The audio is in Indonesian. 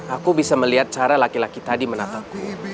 aku bisa melihat cara laki laki tadi menatapku